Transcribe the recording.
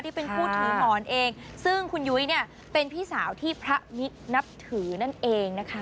ผู้เป็นผู้ถือหมอนเองซึ่งคุณยุ้ยเนี่ยเป็นพี่สาวที่พระมิตรนับถือนั่นเองนะคะ